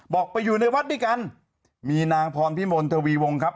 ไปอยู่ในวัดด้วยกันมีนางพรพิมลทวีวงครับ